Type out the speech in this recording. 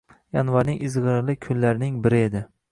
Yanvarning izg‘irinli kunlarining biri edi